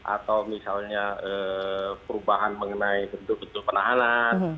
atau misalnya perubahan mengenai bentuk bentuk penahanan